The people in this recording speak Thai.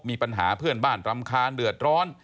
มีปัญหาเพื่อนบ้านรำคาญเดือดร้อน